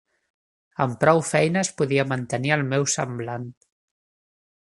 Amb prou feines podia mantenir el meu semblant.